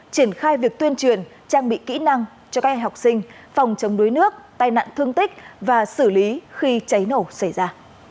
triển khai việc tuyên truyền trang bị kỹ năng cho các em học sinh phòng chống đuối nước tai nạn thương tích và xử lý khi cháy nổ xảy ra